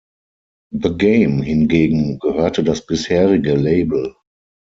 The Game hingegen gehörte das bisherige Label.